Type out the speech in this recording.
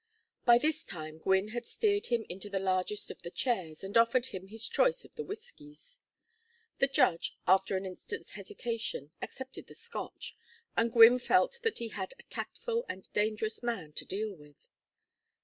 By this time Gwynne had steered him into the largest of the chairs, and offered him his choice of the whiskies. The judge, after an instant's hesitation, accepted the Scotch; and Gwynne felt that he had a tactful and dangerous man to deal with.